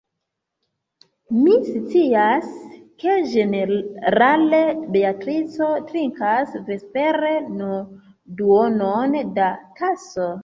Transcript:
Mi scias, ke ĝenerale Beatrico trinkas vespere nur duonon da taso.